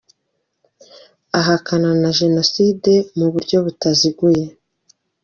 Ahakana na jenoside mu buryo butaziguye